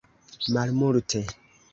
Malmulte